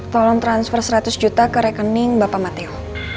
tolong transfer seratus juta ke rekening bapak mateo